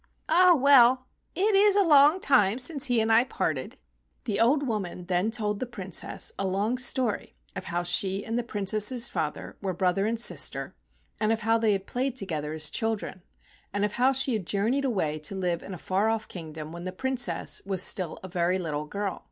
"Ah, well! It is a long time since he and I parted." The old woman then told the Prin¬ cess a long story of how she and the Princess' father were brother and sister, and of how they had played together as children, and of how she had journeyed away to live in a far off kingdom while the Princess was still a very little girl.